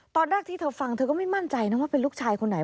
ตอนแรกที่เธอฟังเธอก็ไม่มั่นใจนะว่าเป็นลูกชายคนไหน